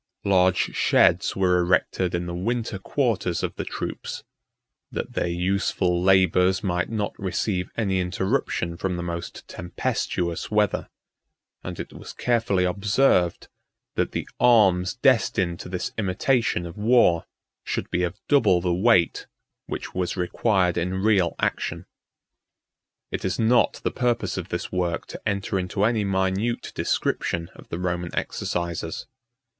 Large sheds were erected in the winter quarters of the troops, that their useful labors might not receive any interruption from the most tempestuous weather; and it was carefully observed, that the arms destined to this imitation of war, should be of double the weight which was required in real action. 37 It is not the purpose of this work to enter into any minute description of the Roman exercises.